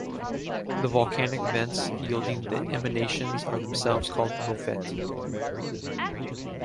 The volcanic vents yielding the emanations are themselves called mofette.